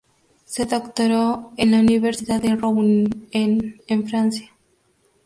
Se doctoró en la Universidad de Rouen en Francia.